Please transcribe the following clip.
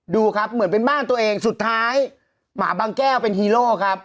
ดูครับเหมือนเป็นบ้านตัวเองสุดท้ายหมาบางแก้วเป็นฮีโร่ครับ